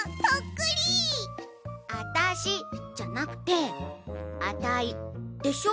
「あたし」じゃなくて「アタイ」でしょ。